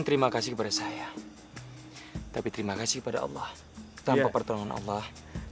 terima kasih kepada saya tapi terima kasih kepada allah tanpa pertolongan allah